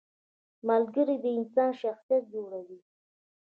• ملګری د انسان شخصیت جوړوي.